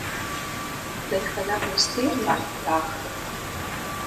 Дэтхэнэ бостейр нэхъ дахэ?